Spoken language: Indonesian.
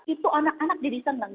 itu anak anak jadi senang